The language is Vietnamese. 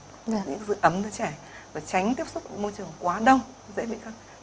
giữ ấm cho đứa trẻ rồi tránh tiếp xúc môi trường quá đông dễ bị khắc